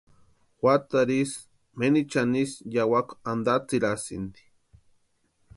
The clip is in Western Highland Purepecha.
Juatarhu ísï menichani ísï yawakwa antatsirasïnti.